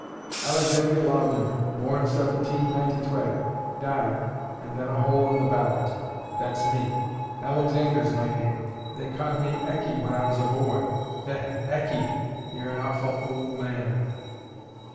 Alexander Loudon, Born Seventeen Ninety Twa, Died and then a hole in the ballant: that's me. Alexander's my name. They ca'd me Ecky when I was a boy. Eh, Ecky! ye're an awfu' auld man!"